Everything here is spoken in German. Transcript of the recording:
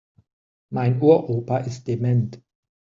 Mein Uropa ist dement.